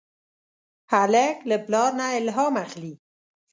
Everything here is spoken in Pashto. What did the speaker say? هلک له پلار نه الهام اخلي.